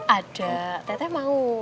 ada teteh mau